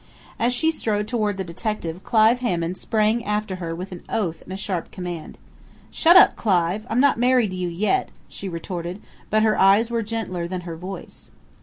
As she strode toward the detective Clive Hammond sprang after her with an oath and a sharp command. "Shut up, Clive! I'm not married to you yet!" she retorted, but her eyes were gentler than her voice.